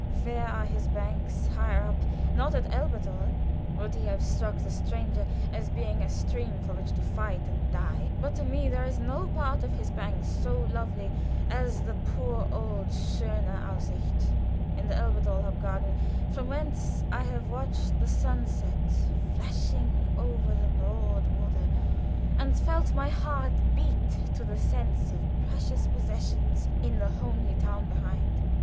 Fair are his banks higher up not at Elberthal would he have struck the stranger as being a stream for which to fight and die; but to me there is no part of his banks so lovely as the poor old Schöne Aussicht in the Elberthal Hofgarten, from whence I have watched the sun set flaming over the broad water, and felt my heart beat to the sense of precious possessions in the homely town behind.